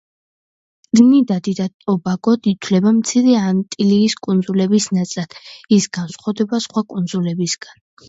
ტრინიდადი და ტობაგო ითვლება მცირე ანტილის კუნძულების ნაწილად, ის განსხვავდება სხვა კუნძულებისგან.